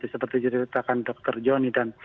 seperti ceritakan dokter jonny